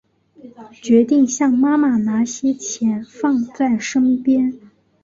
决定向妈妈拿些钱放在身边